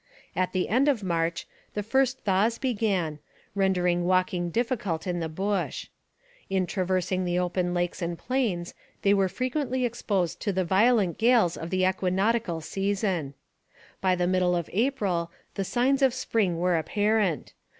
At the end of March the first thaws began, rendering walking difficult in the bush. In traversing the open lakes and plains they were frequently exposed to the violent gales of the equinoctial season. By the middle of April the signs of spring were apparent.